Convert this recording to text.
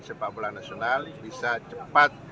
persepakbolaan nasional bisa cepat